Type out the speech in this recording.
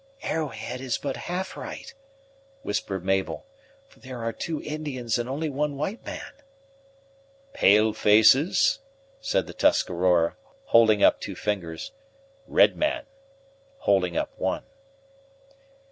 "Arrowhead is but half right!" whispered Mabel, "for there are two Indians and only one white man." "Pale faces," said the Tuscarora, holding up two fingers; "red man," holding up one.